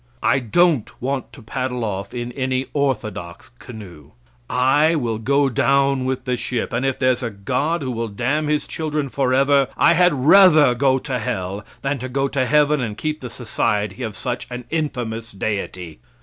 I don't want to paddle off in any orthodox canoe. I will go down with the ship; and if there is a God who will damn his children forever I had rather go to hell than to go to heaven and keep the society of such an infamous Deity.